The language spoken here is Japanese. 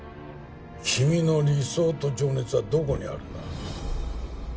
君の理想と情熱はどこにあるんだ？